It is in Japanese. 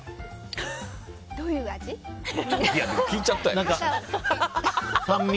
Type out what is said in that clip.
どういう味？